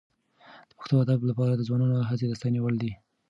د پښتو ادب لپاره د ځوانانو هڅې د ستاینې وړ دي.